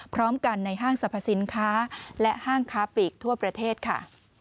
พร้อมกันในห้างสรรพสินค้าและห้างค้าปลีกทั่วประเทศค่ะ